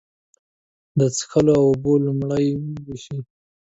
د څښلو اوبه لومړی وېشوئ.